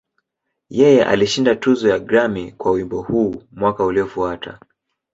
Yeye alishinda tuzo ya Grammy kwa wimbo huu mwaka uliofuata.